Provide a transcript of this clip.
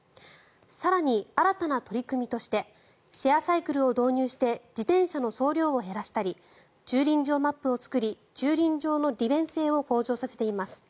更に、新たな取り組みとしてシェアサイクルを導入して自転車の総量を減らしたり駐輪場マップを作り駐輪場の利便性を向上させています。